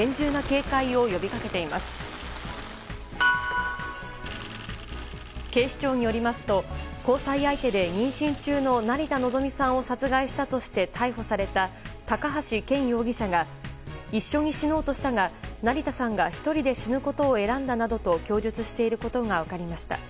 警視庁によりますと交際相手で妊娠中の成田のぞみさんを殺害したとして逮捕された高橋剣容疑者が一緒に死のうとしたが成田さんが１人で死ぬことを選んだなどと供述していることが分かりました。